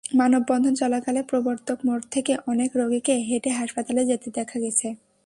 মানববন্ধন চলাকালে প্রবর্তক মোড় থেকে অনেক রোগীকে হেঁটে হাসপাতালে যেতে দেখা গেছে।